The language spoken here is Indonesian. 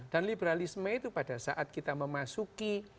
dan liberalisme itu pada saat kita memasuki